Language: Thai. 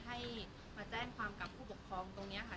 ให้มาแจ้งความกับผู้ปกครองตรงนี้ค่ะ